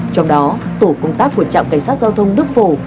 trong đó tổ công tác của trạm cảnh sát giao thông đức phổ